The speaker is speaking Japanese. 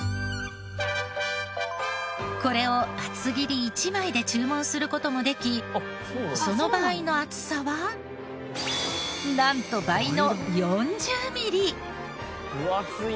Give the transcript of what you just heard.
これを厚切り１枚で注文する事もできその場合の厚さはなんと倍の４０ミリ！